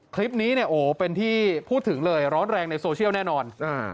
คลิปนี้เนี่ยโอ้โหเป็นที่พูดถึงเลยร้อนแรงในโซเชียลแน่นอน